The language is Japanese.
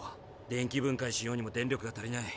電気分解しようにも電力が足りない。